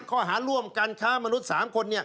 ข้อหาร่วมการค้ามนุษย์๓คน